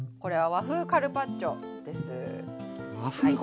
和風カルパッチョ。